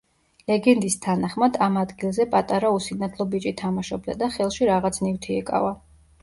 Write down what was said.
ლეგენდის თანახმად ამ ადგილზე პატარა უსინათლო ბიჭი თამაშობდა და ხელში რაღაც ნივთი ეკავა.